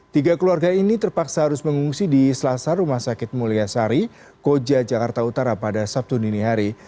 tiga keluarga ini terpaksa harus mengungsi di selasa rumah sakit mulia sari koja jakarta utara pada sabtu dini hari